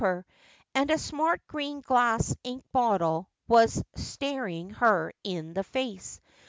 r, and a smart green glass ink bottle was staring her in the face.